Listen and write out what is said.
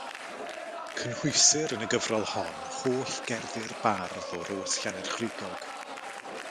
Cynhwysir yn y gyfrol hon holl gerddi'r bardd o Rosllannerchrugog.